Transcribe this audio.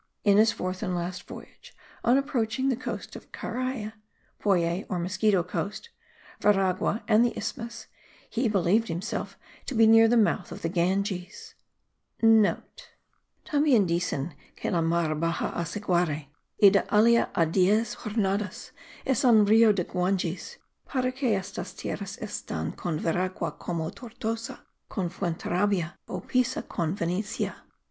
In his fourth and last voyage, on approaching the coast of Cariay (Poyais or Mosquito Coast), Veragua and the Isthmus, he believed himself to be near the mouth of the Ganges.* (* Tambien dicen que la mar baxa a Ciguare, y de alli a diez jornadas es el Rio de Guangues: para que estas tierras estan con Veragua como Tortosa con Fuenterabia o Pisa con Venecia."